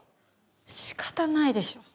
仕方ないでしょ。